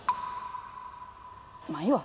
まあいいわ。